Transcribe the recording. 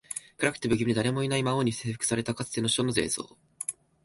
暗くて、不気味で、誰もいない魔王に征服されたかつての首都の映像